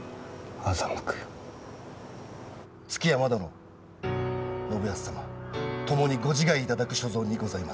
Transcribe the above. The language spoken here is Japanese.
築山殿信康様ともにご自害いただく所存にございます。